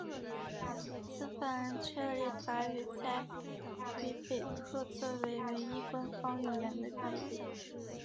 此法案确立法语在魁北克作为唯一官方语言的地位。